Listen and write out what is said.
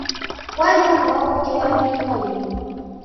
quais a prova há de recair